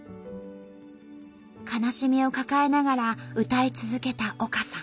悲しみを抱えながら歌い続けた丘さん。